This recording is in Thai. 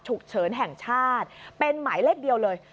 ฉุกเฉินแห่งชาติเป็นหมายเลขเดียวเลย